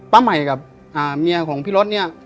ใหม่กับเมียของพี่รถเนี่ย